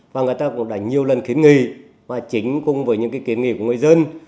và người ta cũng đã nhiều lần kiến nghị và chính cùng với những kiến nghị của người dân